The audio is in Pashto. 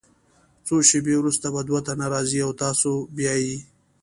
څو شیبې وروسته به دوه تنه راځي او تاسو بیایي.